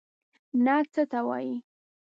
نعت څه ته وايي.